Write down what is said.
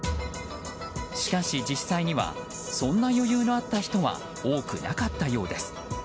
しかし実際にはそんな余裕のあった人は多くなかったようです。